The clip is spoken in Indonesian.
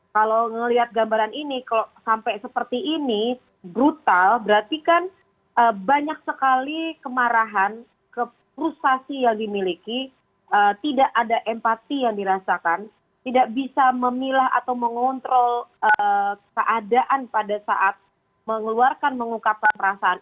kalau melihat gambaran ini sampai seperti ini brutal berarti kan banyak sekali kemarahan frustasi yang dimiliki tidak ada empati yang dirasakan tidak bisa memilah atau mengontrol keadaan pada saat mengeluarkan mengungkapkan perasaan